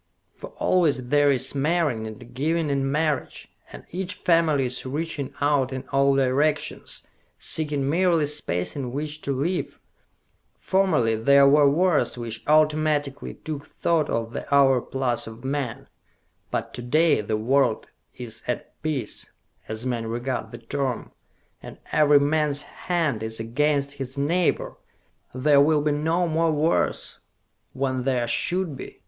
For always there is marrying and giving in marriage, and each family is reaching out in all directions, seeking merely space in which to live. Formerly there were wars which automatically took thought of the overplus of men; but to day the world is at peace, as men regard the term and every man's hand is against his neighbor! There will be no more wars, when there should be!